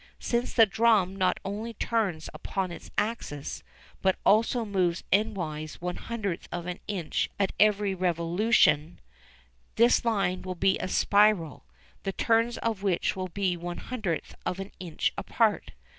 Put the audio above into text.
Since the drum not only turns upon its axis, but also moves endwise one hundredth of an inch at every revolution, this line will be a spiral, the turns of which will be one hundredth of an inch apart.